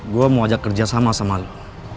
gue mau ajak kerja sama sama lo